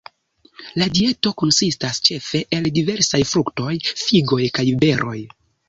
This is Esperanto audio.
La dieto konsistas ĉefe el diversaj fruktoj, figoj kaj beroj.